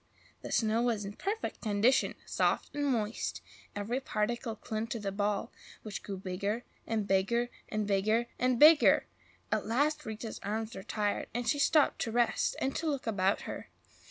The snow was in perfect condition, soft and moist; every particle clung to the ball, which grew bigger and bigger and BIGGER and BIGGER! At last Rita's arms were tired, and she stopped to rest and to look about her.